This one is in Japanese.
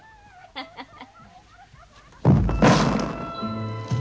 ハッハハ。